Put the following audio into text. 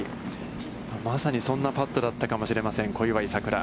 まさにそんなパットだったかもしれません、小祝さくら。